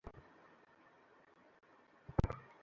হ্যাঁ আর অমিতাভ বচ্চন আমার বাপ, এখন যান।